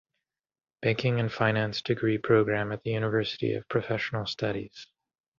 Banking and Finance degree programme at the University of Professional Studies.